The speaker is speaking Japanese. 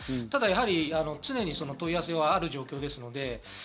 ただ常に問い合わせはある状況です。